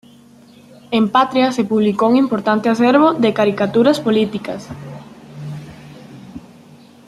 En Patria se publicó un importante acervo de caricaturas políticas.